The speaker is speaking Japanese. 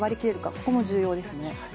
ここも重要ですね。